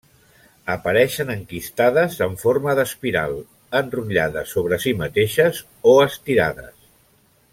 Apareixen enquistades en forma d'espiral, enrotllades sobre si mateixes o estirades.